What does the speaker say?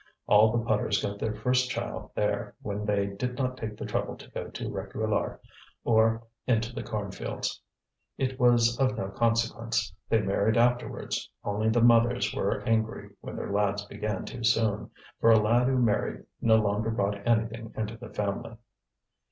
All the putters got their first child there when they did not take the trouble to go to Réquillart or into the cornfields. It was of no consequence; they married afterwards, only the mothers were angry when their lads began too soon, for a lad who married no longer brought anything into the family.